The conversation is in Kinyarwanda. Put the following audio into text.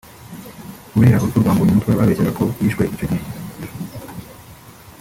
kubera urupfu rwa Mbonyumutwa babeshyaga ko yishwe icyo gihe